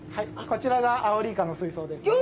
こちらがアオリイカのすいそうですね。